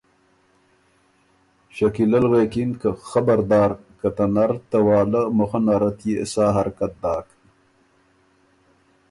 شکیلۀ ل غوېکِن که خبردار که ته نر ته واله مُخه نرت يې سا حرکت داک۔